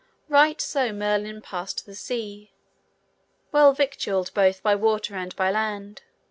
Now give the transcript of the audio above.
Right so Merlin passed the sea, well victualled both by water and by land.